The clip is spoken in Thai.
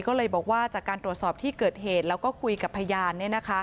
ก็เลยบอกว่าจากการตรวจสอบที่เกิดเหตุแล้วก็คุยกับพยาน